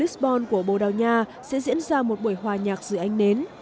isbon của bồ đào nha sẽ diễn ra một buổi hòa nhạc dưới ánh nến